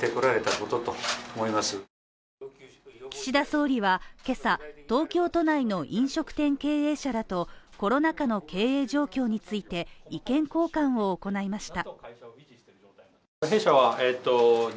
岸田総理は今朝、東京都内の飲食店経営者らとコロナ禍の経営状況について意見交換を行いました。